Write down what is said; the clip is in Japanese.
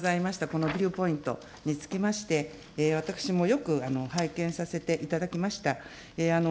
このビューポイントにつきまして、私もよく拝見させていただきました。